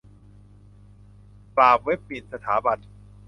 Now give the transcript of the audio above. ปราบเว็บหมิ่นสถาบัน